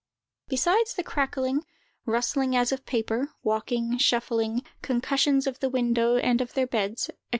Besides the crackling, rustling as of paper, walking, shuffling, concussions of the windows and of their beds, &c.